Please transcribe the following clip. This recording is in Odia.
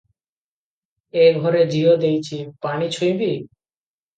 ଏ ଘରେ ଝିଅ ଦେଇଛି, ପାଣି ଛୁଇଁବି?